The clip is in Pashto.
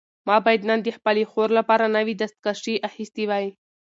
ما باید نن د خپلې خور لپاره نوي دستکشې اخیستې وای.